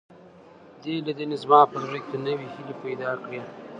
دې لیدنې زما په زړه کې نوې هیلې پیدا کړې.